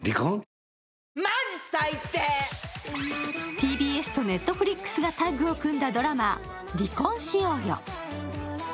ＴＢＳとＮｅｔｆｌｉｘがタッグをタッグを組んだドラマ「離婚しようよ」。